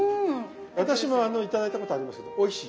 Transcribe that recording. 私も頂いたことありますけどおいしい。